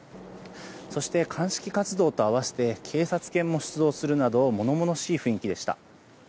そして、鑑識活動と併せて警察犬も出動するなど物々しい雰囲気でした。